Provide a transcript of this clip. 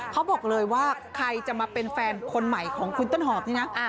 เขาบอกเลยว่าใครจะมาเป็นแฟนคนใหม่ของคุณต้นหอบนี่นะ